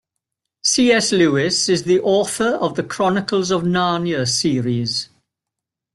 C.S. Lewis is the author of The Chronicles of Narnia series.